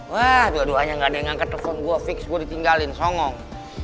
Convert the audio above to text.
wah dua duanya gak ada yang ngangkat telepon gue fix gue ditinggalin songong